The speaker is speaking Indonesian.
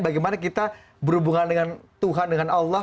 bagaimana kita berhubungan dengan tuhan dengan allah